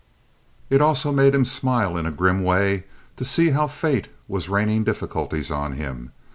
It also made him smile, in a grim way, to see how fate was raining difficulties on him.